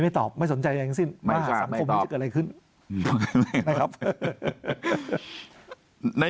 ไม่ตอบไม่สนใจอย่างสิ้นไม่ไปหาสาขมันหรือเอาอะไรขึ้น